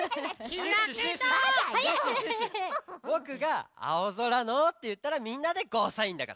「開けドア」ぼくが「青空の」っていったらみんなで「ゴーサイン」だから。